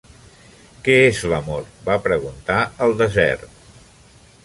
"Què és l'Amor?", va preguntar el desert.